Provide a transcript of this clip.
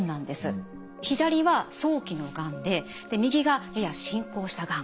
左は早期のがんで右がやや進行したがん。